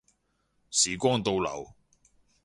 時光倒流